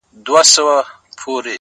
تا کي ډېر زړونه بندې دې رنتبورې;